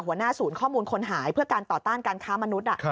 หัวหน้าศูนย์ข้อมูลคนหายเพื่อการต่อต้านการค้ามนุษย์